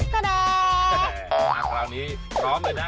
ตะแดมาคราวนี้พร้อมเลยนะ